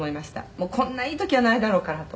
「もうこんないい時はないだろうからと」